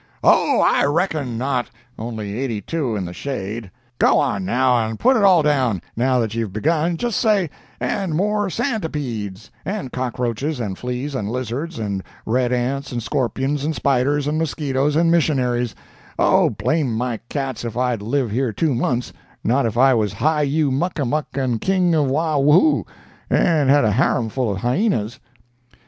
Oh, I reckon not (only 82 in the shade)! Go on, now, and put it all down, now that you've begun; just say, 'And more "santipedes," and cockroaches, and fleas, and lizards, and red ants, and scorpions, and spiders, and mosquitoes and missionaries'—oh, blame my cats if I'd live here two months, not if I was High You Muck a Muck and King of Wawhoo, and had a harem full of hyenas!"